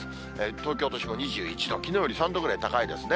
東京都心も２１度、きのうより３度ぐらい高いですね。